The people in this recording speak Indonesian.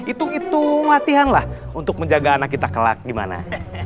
itu itu latihan lah untuk menjaga anak kita kelak gimana